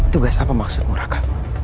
tugas apa maksudmu raka